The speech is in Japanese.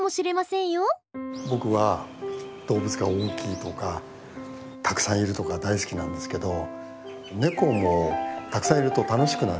僕は動物が大きいとかたくさんいるとか大好きなんですけどネコもたくさんいると楽しくなるんですよね。